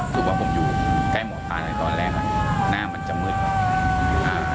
คือว่าผมอยู่ใกล้หมวดปลาในตอนแรกหน้ามันจะมืดครับ